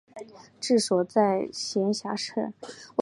治所在牂牁县。